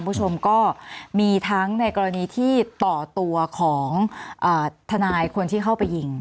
คุณผู้ชมก็มีทั้งในกรณีที่ต่อตัวของทนายคนที่เข้าไปยิง